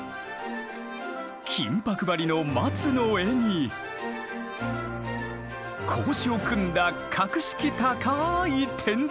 金箔ばりの松の絵に格子を組んだ格式高い天井。